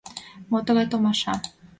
— Мо тыгай томаша?